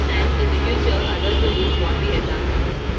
And, in the future, others will use what we have done.